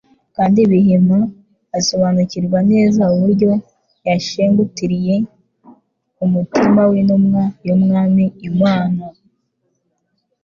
kandi bihima asobamu<irwa neza uburyo yashengtrye umutima w'intumwa y'Umwami Imana.